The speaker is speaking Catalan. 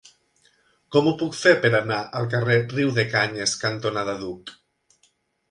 Com ho puc fer per anar al carrer Riudecanyes cantonada Duc?